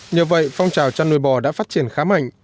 nhờ vậy phong trào chăn nuôi bò đã phát triển khá mạnh